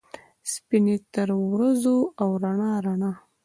سپینې ترورځو ، او رڼا ، رڼا